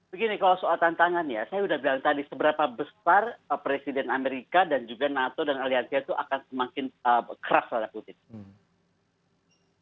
begini kalau soal tantangan ya saya sudah bilang tadi seberapa besar presiden amerika dan juga nato dan aliansia itu akan semakin keras tanda kutip